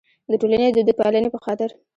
د ټولنې د دودپالنې په خاطر.